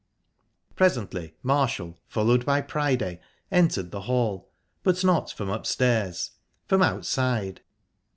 Presently Marshall, followed by Priday, entered the hall, but not from upstairs from outside.